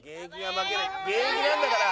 現役なんだから。